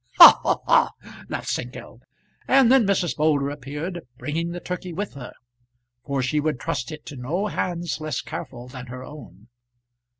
"Ha, ha, ha!" laughed Snengkeld. And then Mrs. Moulder appeared, bringing the turkey with her; for she would trust it to no hands less careful than her own.